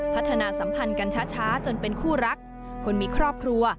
สัมพันธ์กันช้าจนเป็นคู่รักคนมีครอบครัว